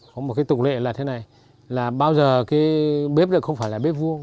có một tục lệ là thế này là bao giờ bếp này không phải là bếp vuông